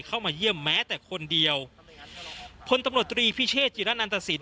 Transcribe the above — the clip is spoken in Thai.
เข้ามาเยี่ยมแม้แต่คนเดียวพลตำรวจตรีพิเชษจิระนันตสิน